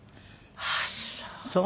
ああそう。